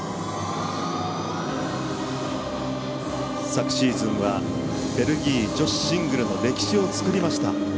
昨シーズンはベルギー女子シングルの歴史を作りました。